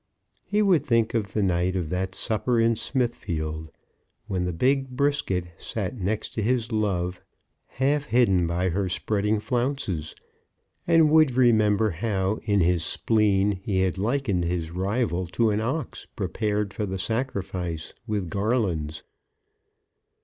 He would think of the night of that supper in Smithfield, when the big Brisket sat next to his love, half hidden by her spreading flounces, and would remember how, in his spleen, he had likened his rival to an ox prepared for the sacrifice with garlands.